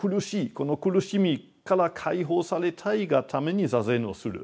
この苦しみから解放されたいがために坐禅をする。